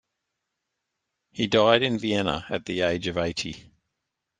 He died in Vienna at the age of eighty.